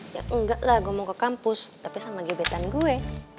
ya enggak lah gue mau ke kampus tapi sama gibetan gue